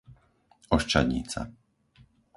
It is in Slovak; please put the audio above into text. Oščadnica